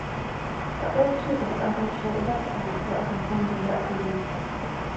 Both Twitter and official websites also confirm the new series.